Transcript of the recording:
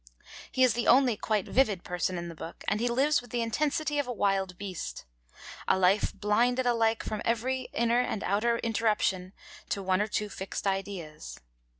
He is the only quite vivid person in the book, and he lives with the intensity of a wild beast, a life 'blinded alike' from every inner and outer interruption to one or two fixed ideas.